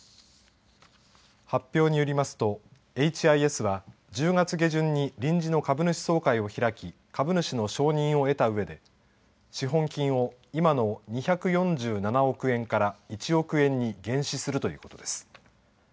発表によりますとエイチ・アイ・エスは１０月下旬に臨時の株主総会を開き株主の承認を得たうえで資本金を今の２４７億円から１億円に減資するということです。